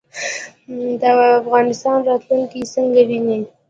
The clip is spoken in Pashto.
د افغانستان راتلونکی څنګه وینئ؟